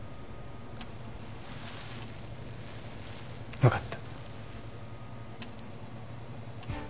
分かった。